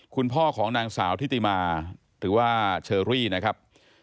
คุณพ่อของนางสาวทิติมาหรือว่าเชอรี่นะครับ